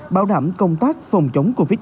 bảo đảm công tác phòng chống covid một mươi